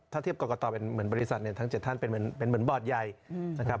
ถ้าเทียบกรกตเป็นเหมือนบริษัทเนี่ยทั้ง๗ท่านเป็นเหมือนบอร์ดใหญ่นะครับ